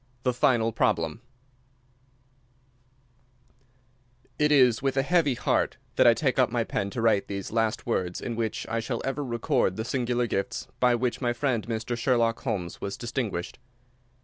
The Final Problem It is with a heavy heart that I take up my pen to write these the last words in which I shall ever record the singular gifts by which my friend Mr. Sherlock Holmes was distinguished.